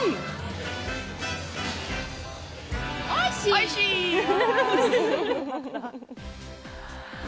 おいしい。